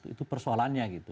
itu persoalannya gitu